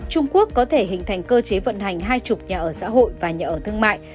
trung quốc có thể hình thành cơ chế vận hành hai mươi nhà ở xã hội và nhà ở thương mại